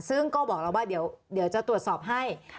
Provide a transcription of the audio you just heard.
ซึ่งก็บอกเราว่าเดี๋ยวจะตรวจสอบให้